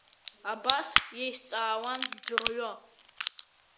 Абас еизҵаауан ӡәырҩы.